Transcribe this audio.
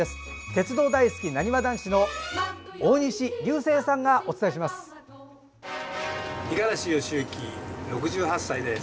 鉄道大好き、なにわ男子の大西流星さんがお伝えします。